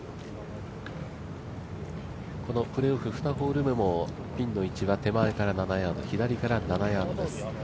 このプレーオフ２ホール目もピンが手前から７ヤード、左から７ヤードです。